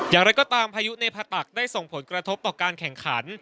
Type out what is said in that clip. อย่างไรก็ตามพายุในผตักได้ส่งผลกระทบต่อการแข่งขัน